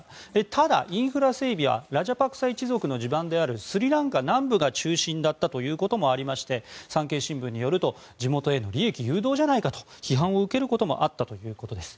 ただ、インフラ整備はラジャパクサ一族の地盤であるスリランカ南部が中心だったということもありまして産経新聞によると地元への利益誘導じゃないかと批判を受けることもあったということです。